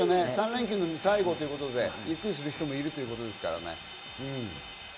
３連休の最後ということで、ゆっくりする人もいるということですからね。